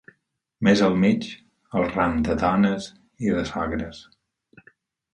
Més al mig, el ram de dones i de sogres